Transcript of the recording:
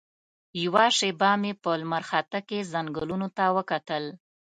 یوه شېبه مې په لمرخاته کې ځنګلونو ته وکتل.